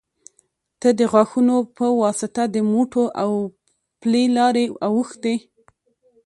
ته د غاښو يه واسطه د موټو او پلې لارې اوښتي